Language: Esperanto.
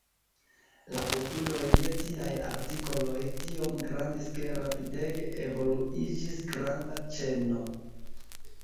La postuloj je tiaj artikoloj tiom grandis ke rapidege evoluiĝis granda ĉeno.